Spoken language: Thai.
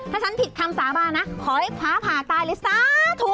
ถ้าฉันผิดคำสาบานนะขอให้พระผ่าตายเลยสาธุ